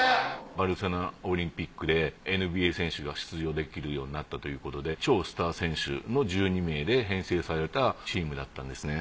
バルセロナオリンピックでＮＢＡ選手が出場できるようになったということで超スター選手の１２名で編成されたチームだったんですね。